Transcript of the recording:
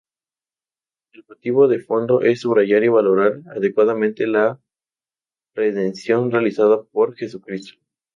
El motivo de fondo es subrayar y valorar adecuadamente la redención realizada por Jesucristo.